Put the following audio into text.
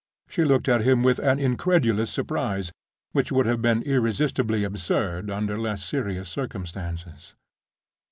She looked at him with an incredulous surprise, which would have been irresistibly absurd under less serious circumstances.